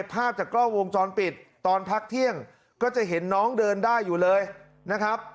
ภาพจากกล้องวงจรปิดตอนพักเที่ยงก็จะเห็นน้องเดินได้อยู่เลยนะครับ